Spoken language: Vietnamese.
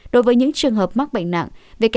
đối với những trường hợp mắc bệnh nặng